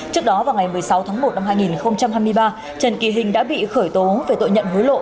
trước đó vào ngày một mươi sáu tháng một năm hai nghìn hai mươi ba trần kỳ hình đã bị khởi tố về tội nhận hối lộ